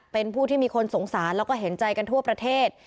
เป็นผู้ที่มีคนสงสารแล้วก็เห็นใจกันทั่วประเทศ